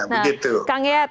nah kang geyat